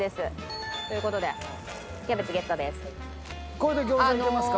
これで餃子いけますか？